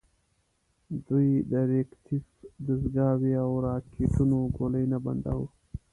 دوی د ریکتیف دستګاوو او راکېټونو ګولۍ نه بنداوه.